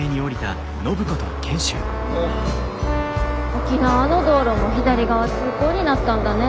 沖縄の道路も左側通行になったんだね。